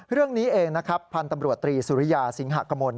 เรื่องนี้เองนะครับพันธ์ตำรวจตรีสุริยาสิงหากมล